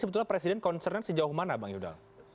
sebetulnya presiden concern nya sejauh mana bang yudha